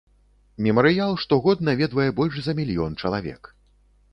Мемарыял штогод наведвае больш за мільён чалавек.